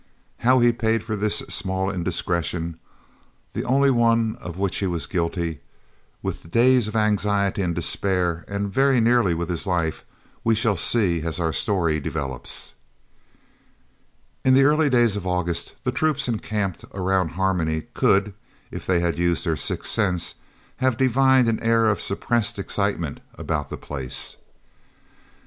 How he paid for this small indiscretion, the only one of which he was guilty, with days of anxiety and despair, and very nearly with his life, we shall see as our story develops! In the early days of August the troops encamped around Harmony could, if they had used their sixth sense, have divined an air of suppressed excitement about the place.